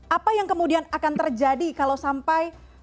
apa yang kemudian akan terjadi kalau sampai